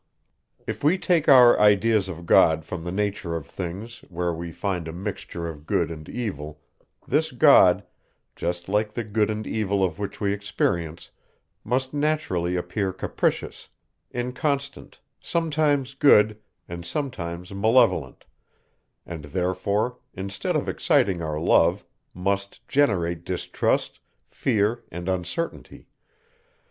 If we take our ideas of God from the nature of things, where we find a mixture of good and evil, this God, just like the good and evil of which we experience, must naturally appear capricious, inconstant, sometimes good, and sometimes malevolent; and therefore, instead of exciting our love, must generate distrust, fear, and uncertainty.